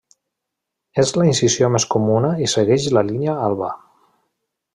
És la incisió més comuna i segueix la línia alba.